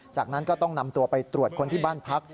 จากนั้นก็ต้องนำตัวไปตรวจคนที่บ้านพัก